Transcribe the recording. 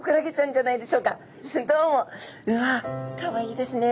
うわっかわいいですね。